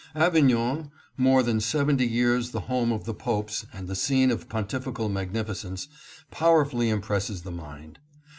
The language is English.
Avignon, more than seventy years the home of the popes and the scene of pontifical magnificence, pow erfully impresses the mind.